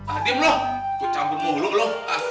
ah diam lo kok campur mulu lo